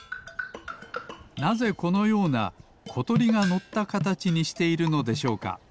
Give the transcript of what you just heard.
なぜこのようなことりがのったかたちにしているのでしょうか？